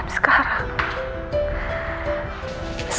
ia tidak perlu kisah